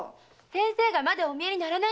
先生がまだお見えにならないんです。